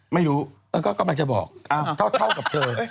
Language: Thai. ไม่รู้ก็กำลังจะบอกเท่ากับเธอ